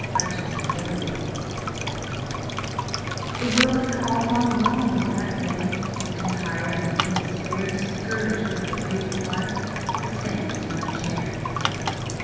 MY COMFORTER The world had all gone wrong that day And tired and in despair, Discouraged with the ways of life, I sank into my chair.